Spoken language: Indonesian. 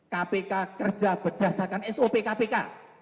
kpk kerja berdasarkan sop kpk